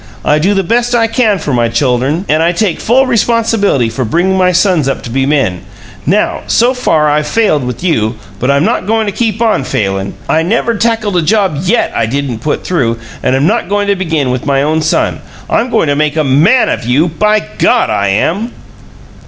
I do the best I can for my chuldern, and I take full responsibility for bringin' my sons up to be men. Now, so far, I've failed with you. But I'm not goin' to keep ON failin'. I never tackled a job YET I didn't put through, and I'm not goin' to begin with my own son. I'm goin' to make a MAN of you. By God! I am!"